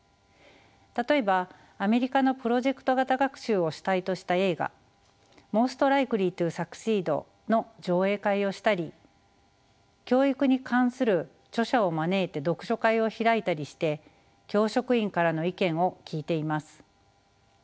例えばアメリカのプロジェクト型学習を主体とした映画「ＭｏｓｔＬｉｋｅｌｙｔｏＳｕｃｃｅｅｄ」の上映会をしたり教育に関する著者を招いて読書会を開いたりして教職員からの意見を聞いています。